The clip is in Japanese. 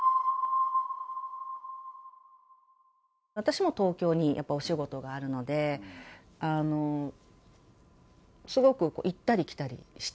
私も東京にお仕事があるので、すごく行ったり来たりして。